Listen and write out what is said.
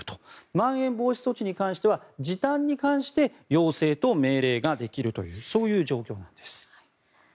まん延防止措置に関しては時短に関して要請と命令ができるというそういう状況なんです。